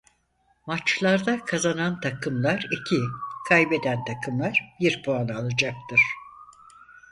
Maçlarda kazanan takımlar iki kaybeden takımlar bir puan alacaktır.